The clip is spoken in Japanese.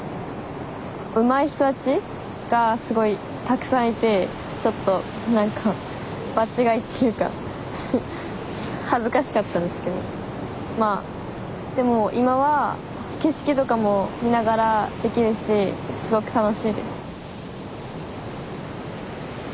うまい人たちがすごいたくさんいてちょっと何か場違いっていうか恥ずかしかったですけどでも今は景色とかも見ながらできるしすごく楽しいです。